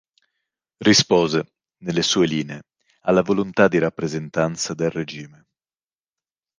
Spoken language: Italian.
Rispose, nelle sue linee, alla volontà di rappresentanza del regime.